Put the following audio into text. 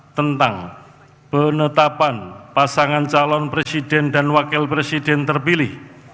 tentang penetapan pasangan calon presiden dan wakil presiden terpilih